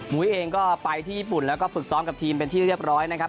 เองก็ไปที่ญี่ปุ่นแล้วก็ฝึกซ้อมกับทีมเป็นที่เรียบร้อยนะครับ